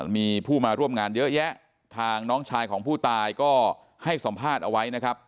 มีผู้มาร่วมงานเยอะแยะทางน้องชายของผู้ตายก็ให้สัมภาษณ์เอาไว้นะครับ